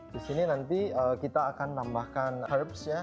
di sini nanti kita akan menambahkan herbs ya